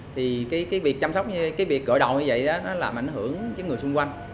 thì cái việc chăm sóc cái việc gội đầu như vậy làm ảnh hưởng người xung quanh